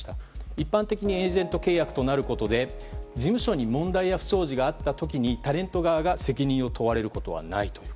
一般的にエージェント契約となることで事務所に問題や不祥事があった時タレント側が責任を問われることがないと。